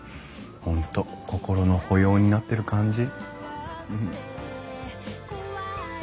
本当心の保養になってる感じ。